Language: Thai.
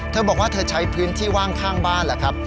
เธอบอกว่าเธอใช้พื้นที่ว่างข้างบ้านแหละครับ